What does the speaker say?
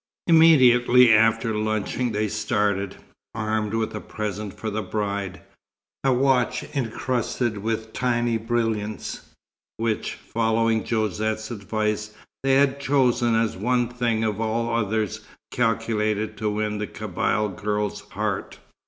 Immediately after lunching they started, armed with a present for the bride; a watch encrusted with tiny brilliants, which, following Josette's advice, they had chosen as the one thing of all others calculated to win the Kabyle girl's heart.